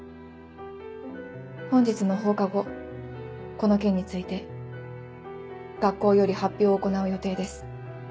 本日の放課後この件について学校より発表を行う予定です。